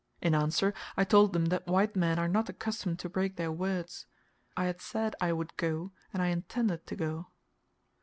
In answer, I told them that white men are not accustomed to break their words. I had said I would go, and I intended to go.